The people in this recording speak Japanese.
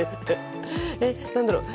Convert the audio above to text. えっ何だろう。